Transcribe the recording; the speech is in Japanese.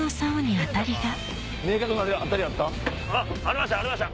ありました！